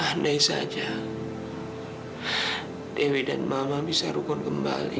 andai saja dewi dan mama bisa rukun kembali